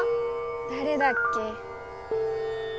だれだっけ？